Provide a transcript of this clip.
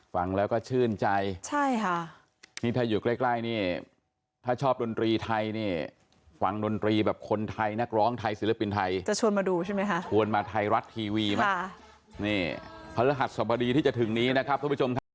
หลายที่กับแต่แหละนึกถึงทางที่ก็คือแม่ความสองกัน